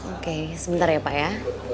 oke sebentar ya pak ya